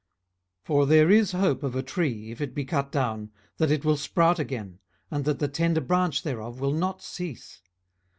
18:014:007 For there is hope of a tree, if it be cut down, that it will sprout again, and that the tender branch thereof will not cease.